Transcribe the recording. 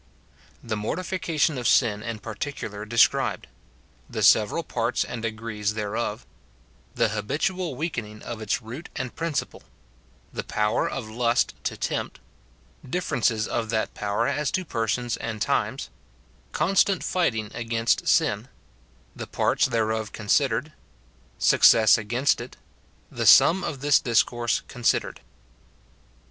The mortification of sin in particular described — The several parts and degrees thereof — The habitual weakening of its root and principle — The power of lust to tempt — Diiferences of that power as to persons and times — Constant fighting against sin — The parts thereof considered — Success against it — The sum of this discourse considered.